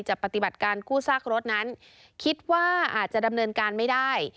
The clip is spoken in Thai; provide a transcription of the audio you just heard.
ปฏิบัติการกู้ซากรถนั้นคิดว่าอาจจะดำเนินการไม่ได้